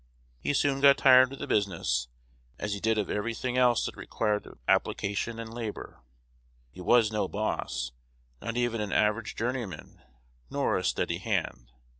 He soon got tired of the business, as he did of every thing else that required application and labor. He was no boss, not even an average journeyman, nor a steady hand.